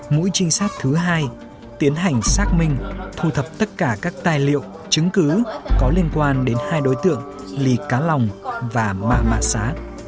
mũi trinh sát thứ hai tiến hành xác minh thu thập tất cả các tài liệu chứng cứ có liên quan đến hai đối tượng ly cá lòng và mả mà xá